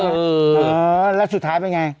เออแล้วสุดท้ายเป็นไง